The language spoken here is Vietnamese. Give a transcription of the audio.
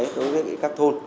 đối với các thôn